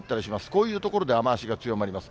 こういう所で雨足が強まります。